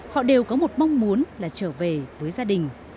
họ đều có một mong muốn là trở về với gia đình